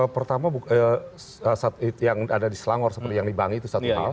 pertama yang ada di selangor seperti yang di bangi itu satu hal